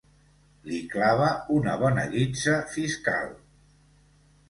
Li clava una bona guitza fiscal.